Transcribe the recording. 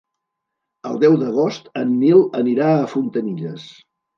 El deu d'agost en Nil anirà a Fontanilles.